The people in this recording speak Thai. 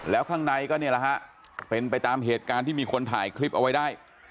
แล้วข้างในก็เนี่ยแหละฮะเป็นไปตามเหตุการณ์ที่มีคนถ่ายคลิปเอาไว้ได้